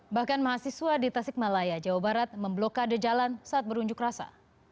bahkan mahasiswa di tasikmalaya jawa barat memblokade jalan saat berunjuk rasa